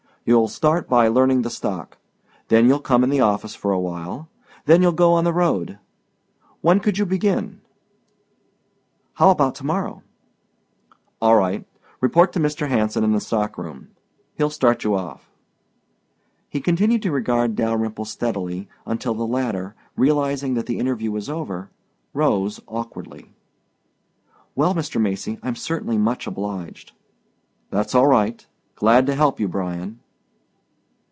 You'll start by learning the stock. Then you'll come in the office for a while. Then you'll go on the road. When could you begin?" "How about to morrow?" "All right. Report to Mr. Hanson in the stock room. He'll start you off." He continued to regard Dalyrimple steadily until the latter, realizing that the interview was over, rose awkwardly. "Well, Mr. Macy, I'm certainly much obliged." "That's all right. Glad to help you, Bryan."